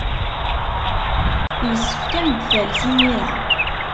Yessefk ad am-d-tales imir-a.